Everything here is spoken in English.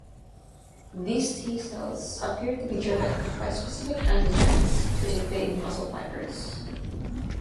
These T cells appear to be driven by specific antigens to invade muscle fibers.